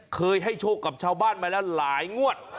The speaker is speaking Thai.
เคยให้โชคกับชาวบ้านมาแล้วหลายงวด